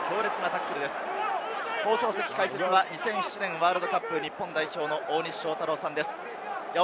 解説は２００７年ワールドカップ日本代表の大西将太郎さんです。